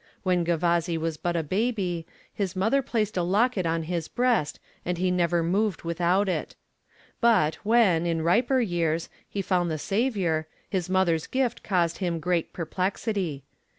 When Gavazzi was but a baby, his mother placed a locket on his breast, and he never moved without it. But when, in riper years, he found the Saviour, his mother's gift caused him great perplexity.